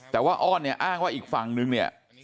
แต่ว่าอ้อนเนี่ยอ้างว่าอีกฝั่งนึงเนี่ย